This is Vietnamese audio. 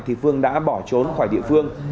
thì phương đã bỏ trốn khỏi địa phương